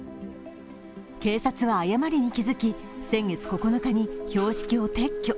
警察は誤りに気づき、先月９日に標識を撤去。